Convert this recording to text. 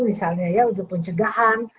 misalnya ya untuk pencegahan